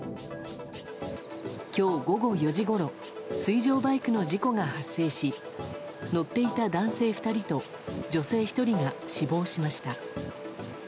今日午後４時ごろ水上バイクの事故が発生し乗っていた男性２人と女性１人が死亡しました。